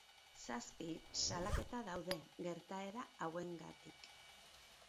Zazpi salaketa daude, gertaera hauengatik.